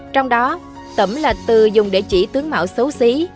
trong đó tẩm là từ dùng địa chỉ tướng mạo xấu xí